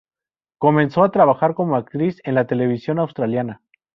Comenzó a trabajar como actriz en la televisión australiana.